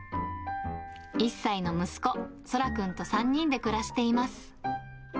１歳の息子、空くんと３人で暮らしています。